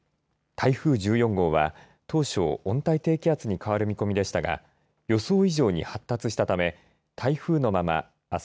台風１４号は当初、温帯低気圧に変わる見込みでしたが予想以上に発達したため台風のままあす